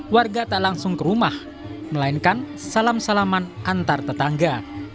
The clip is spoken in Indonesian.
warga tak langsung ke rumah melainkan salam salaman antar tetangga